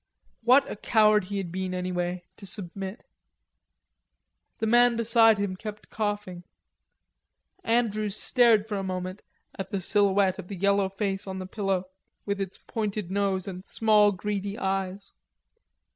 What a coward he had been anyway, to submit. The man beside him kept coughing. Andrews stared for a moment at the silhouette of the yellow face on the pillow, with its pointed nose and small greedy eyes.